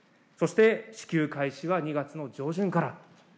そして支給開始は２月の上旬から。